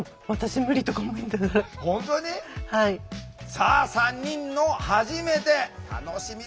さあ３人の「はじめて」楽しみでございます！